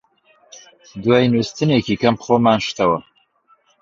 دوای نووستنێکی کەم خۆمان شتەوە